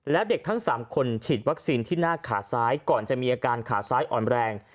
แล้วเด็กทั้ง๓คนฉีดวัคซีนที่หน้าขาซ้ายก่อนจะมีอาการขาซ้ายอ่อนแรง